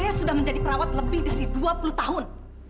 saya sudah menjadi perawat lebih dari dua puluh tahun